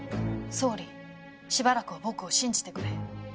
総理しばらくは僕を信じてくれ。